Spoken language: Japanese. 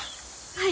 はい。